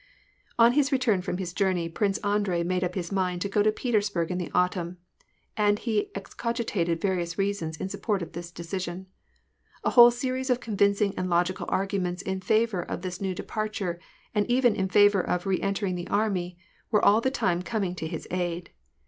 " On his return from his journey, Prince Andrei made up his mind to go to Petersburg in the autumn, and he excogitated various reasons in support of this decision. A whole series of convincing and logical arguments in favor of this new depart ure, and even in favor of re entering the army, were all the time coming to his aid.